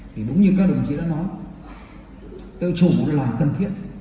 thì đúng như các đồng chí đã nói tự chủ là cần thiện